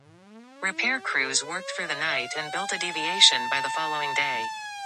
Repair crews worked through the night and built a deviation by the following day.